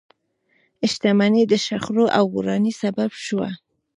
شتمنۍ د شخړو او ورانۍ سبب شوه.